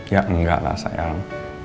ya enggak lah sayang